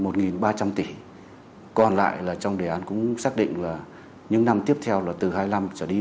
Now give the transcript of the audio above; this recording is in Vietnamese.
một ba trăm linh tỷ đồng còn lại trong đề án cũng xác định là những năm tiếp theo là từ hai nghìn hai mươi năm trở đi